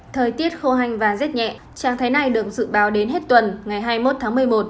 thời tiết khô hành và rét nhẹ trạng thái này được dự báo đến hết tuần ngày hai mươi một tháng một mươi một